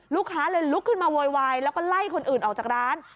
ลูกค้าเลยลุกขึ้นมาโวยวายแล้วก็ไล่คนอื่นออกจากร้าน